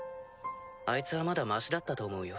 あいつはまだましだったと思うよ。